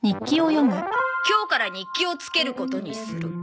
「今日から日記をつけることにする！」